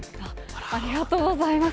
ありがとうございます。